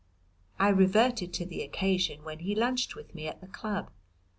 I reverted to the occasion when he lunched with me at the Club.